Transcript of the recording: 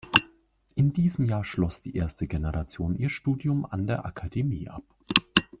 In diesem Jahr schloss die erste Generation Ihr Studium an der Akademie ab.